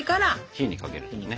火にかけるのね。